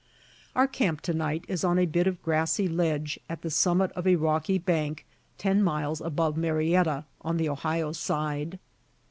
Our camp, to night, is on a bit of grassy ledge at the summit of a rocky bank, ten miles above Marietta, on the Ohio side.